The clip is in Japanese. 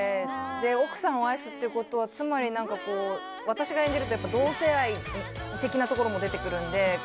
奥さんを愛するということはつまり、私が演じると同性愛的なところも出てくるので。